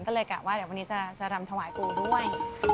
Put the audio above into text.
ก็เลยกลับว่าวันนี้จะรำถวายปู่ด้วย